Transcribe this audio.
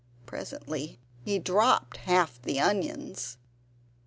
Presently he dropped half the onions.